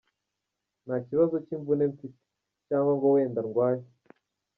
Nta kibazo cy’imvune mfite cyangwa ngo wenda ndarwaye.